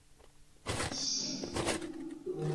诸蒲县是越南嘉莱省下辖的一个县。